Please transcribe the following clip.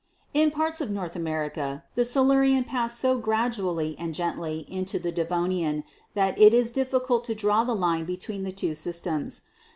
In parts of North America the Silurian passed so gradu ally and gently into the Devonian that it is difficult to draw the line between the two systems.